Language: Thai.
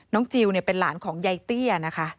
น้องจิ๋วเป็นหลานของใยเตี้ยนะคะ